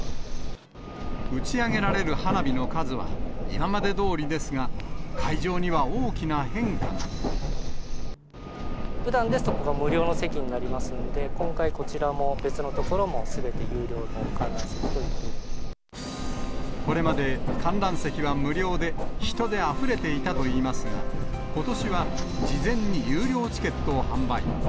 打ち上げられる花火の数は今までどおりですが、会場には大きな変ふだんですと、ここが無料の席になりますんで、今回、こちらも別の所もすべて有これまで観覧席は無料で、人であふれていたといいますが、ことしは事前に有料チケットを販売。